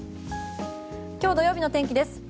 今日土曜日の天気です。